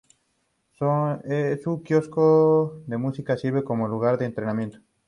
Su quiosco de música sirve como un lugar de entretenimiento.